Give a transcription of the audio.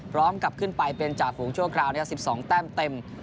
พร้อมกับขึ้นไปเป็นจ่าฝูงชั่วคราว๑๒แต้มเต็ม